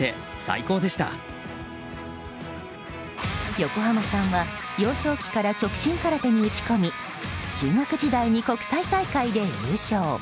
横浜さんは幼少期から極真空手に打ち込み中学時代に国際大会で優勝。